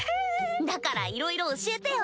だからいろいろ教えてよ